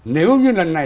nếu như lần này